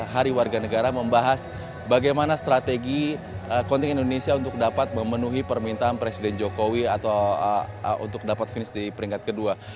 hari warga negara membahas bagaimana strategi kontingen indonesia untuk dapat memenuhi permintaan presiden jokowi atau untuk dapat finish di peringkat kedua